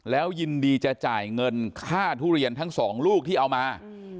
แล้วยินดีจะจ่ายเงินค่าทุเรียนทั้งสองลูกที่เอามา